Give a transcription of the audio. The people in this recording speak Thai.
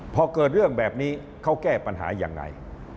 พอเกิดเรื่องแบบนี้เขาแก้ปัญหายังไง